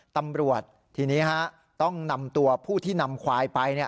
ตำรวจทีนี้ต้องนำตัวผู้ที่นำควายไป